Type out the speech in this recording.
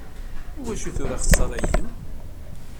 I wacu tura axeṣṣar-agi?